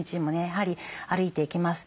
やはり歩いていけます。